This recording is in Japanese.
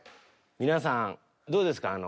皆さんどうですか？